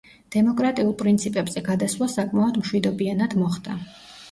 დემოკრატიულ პრინციპებზე გადასვლა საკმაოდ მშვიდობიანად მოხდა.